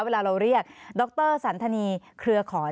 เวลาเราเรียกดรสันธนีเครือขอน